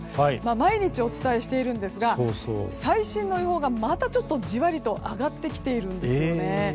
毎日お伝えしていますが最新の予報がまたじわりと上がってきているんですよね。